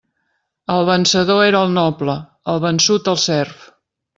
El vencedor era el noble, el vençut el serf.